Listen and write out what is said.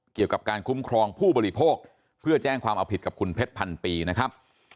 เกี่ยวกับการคุ้มครองผู้บริโภคเพื่อแจ้งความเอาผิดกับคุณเพชรพันปีนะครับ